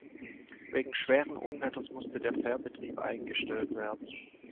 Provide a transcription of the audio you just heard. Wegen schweren Unwetters musste der Fährbetrieb eingestellt werden.